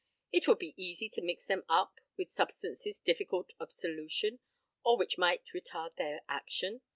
It would be easy to mix them up with substances difficult of solution, or which might retard their action.